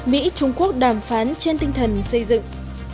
mỹ trung quốc đàm phán trên tinh thần xây dựng